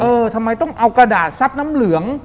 ทำไมต้องเอากระดาษซับน้ำเหลือง